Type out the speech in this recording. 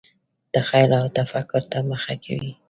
تخیل او تفکر ته مخه کوي.